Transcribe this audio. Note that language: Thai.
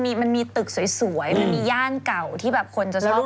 มันมีตึกสวยมีย่านเก่าที่คนจะชอบไปเดิน